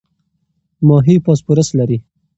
ماهي فاسفورس لري.